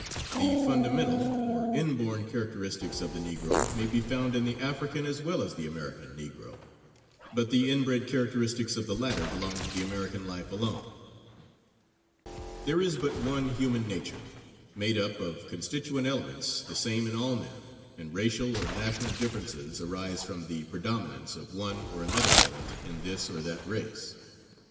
The fundamental, or inborn, characteristics of the Negro may be found in the African, as well as the American, Negro; but the inbred characteristics of the latter belong to the American life alone. There is but one human nature, made up of constituent elements the same in all men, and racial or national differences arise from the predominance of one or another element in this or that race.